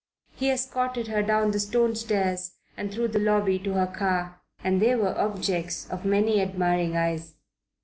He escorted her down the stone stairs and through the lobby to her car, and they were objects of many admiring eyes.